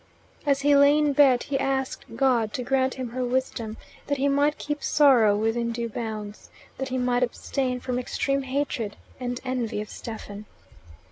As he lay in bed he asked God to grant him her wisdom; that he might keep sorrow within due bounds; that he might abstain from extreme hatred and envy of Stephen.